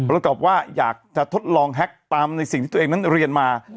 แล้วก็บอกว่าอยากจะทดลองแฮคตามในสิ่งที่ตัวเองเรียนมา